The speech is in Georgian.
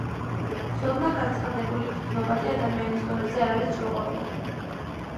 ცოდნა გაცხადებული გრძნობადი ადამიანის დონეზე არ არის სრულყოფილი.